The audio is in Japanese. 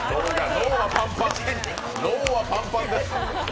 脳はパンパンです。